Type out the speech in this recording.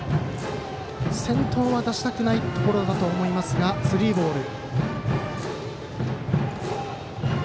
先頭は出したくないところだと思いますがスリーボール。